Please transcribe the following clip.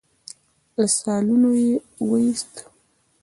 له سالونه يې وايست.